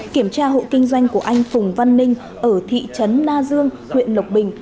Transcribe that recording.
kiểm tra hộ kinh doanh của anh phùng văn ninh ở thị trấn na dương huyện lộc bình